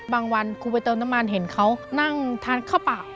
วันครูไปเติมน้ำมันเห็นเขานั่งทานข้าวเปล่า